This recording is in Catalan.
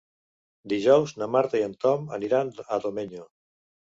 Dijous na Marta i en Tom aniran a Domenyo.